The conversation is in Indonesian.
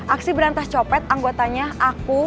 aksi berantas copet anggotanya aku